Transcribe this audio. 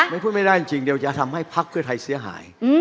พูดไม่ได้จริงเดี๋ยวจะทำให้พักเพื่อไทยเสียหาย